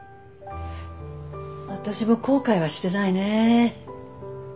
私も後悔はしてないねえ。